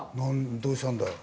どうしたんだよ？